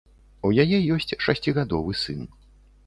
У яе ёсць шасцігадовы сын.